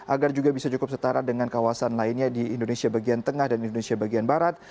agar juga bisa cukup setara dengan kawasan lainnya di indonesia bagian tengah dan indonesia bagian barat